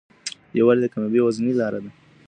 یووالی د کامیابۍ یوازینۍ لاره ده.